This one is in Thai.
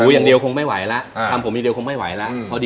คุณพ่อเนี่ยเป็นคนบังพัฒน์ที่นี่นะครับ